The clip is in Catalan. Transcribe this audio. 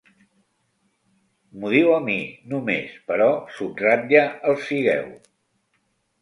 M'ho diu a mi, només, però subratlla el sigueu.